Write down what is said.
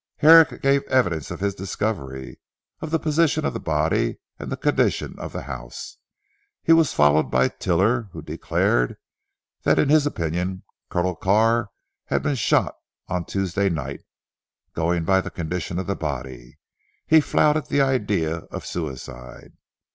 Herrick gave evidence of his discovery, of the position of the body, and of the condition of the house. He was followed by Tiler, who declared that in his opinion Carr had been shot on Tuesday night (going by the condition of the body). He flouted the idea of suicide.